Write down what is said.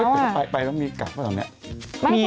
เหมื่อว่าไปแล้วมีกักแบบนี้